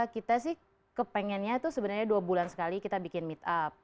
kita sih kepengennya itu sebenarnya dua bulan sekali kita bikin meet up